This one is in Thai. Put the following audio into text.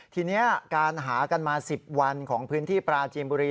ทีนี้การหากันมา๑๐วันของพื้นที่ปราจีนบุรี